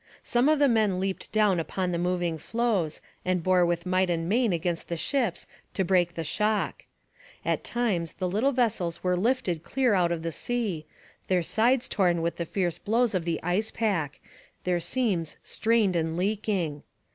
Some of the men leaped down upon the moving floes and bore with might and main against the ships to break the shock. At times the little vessels were lifted clear out of the sea, their sides torn with the fierce blows of the ice pack, their seams strained and leaking.